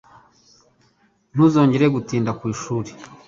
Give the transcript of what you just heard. Ntuzongere gutinda ku ishuri.